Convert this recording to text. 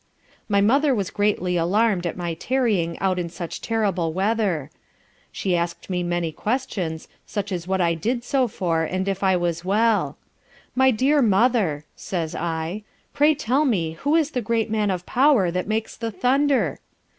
My mother was greatly alarmed at my tarrying out in such terrible weather; she asked me many questions, such as what I did so for, and if I was well? My dear mother says I, pray tell me who is the great Man of Power that makes the thunder?